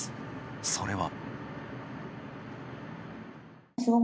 それは。